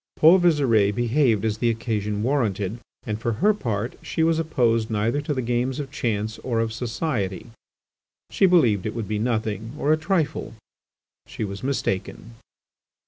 Paul Visire behaved as the occasion warranted, and for her part, she was opposed neither to the games of chance or of society. She believed it would be nothing or a trifle; she was mistaken.